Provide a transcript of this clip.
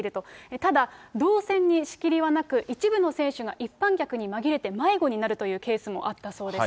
ただ、動線に仕切りはなく、一部の選手が一般客に紛れて迷子になるというケースもあったそうです。